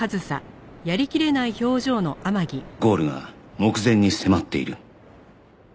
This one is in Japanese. ゴールが目前に迫っている